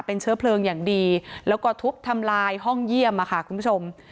เป็นเชื้อเพลิงอย่างดีแล้วก็ทุบทำลายห้องเยี่ยมค่ะคุณผู้ชม